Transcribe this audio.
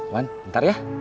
wan ntar ya